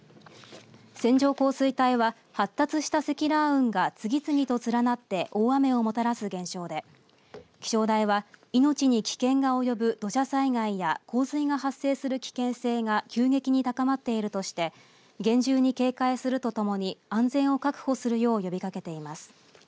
線状降水帯は発達した積乱雲が次々と連なって大雨をもたらす現象で気象台は命に危険が及ぶ土砂災害や洪水が発生する危険性が急激に高まっているとして厳重に警戒するとともに安全を確保するよう呼びかけています。